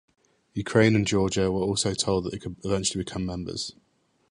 Ukraine and Georgia were also told that they could eventually become members.